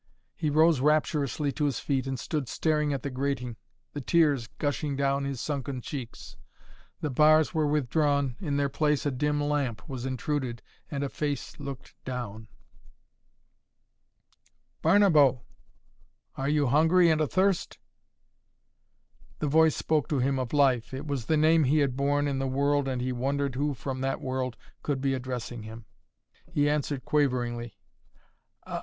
He rose rapturously to his feet and stood staring at the grating, the tears gushing down his sunken cheeks. The bars were withdrawn, in their place a dim lamp was intruded and a face looked down. "Barnabo are you hungry and a thirst?" The voice spoke to him of life. It was the name he had borne in the world and he wondered who from that world could be addressing him. He answered quaveringly.